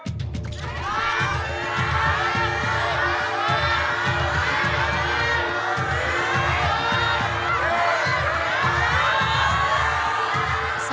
๒ครับ๒ครับ